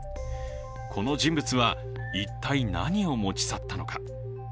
この人物は一体、何を持ち去ったのか。